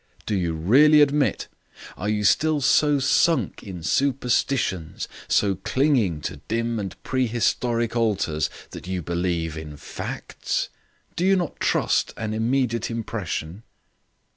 Do you really admit are you still so sunk in superstitions, so clinging to dim and prehistoric altars, that you believe in facts? Do you not trust an immediate impression?"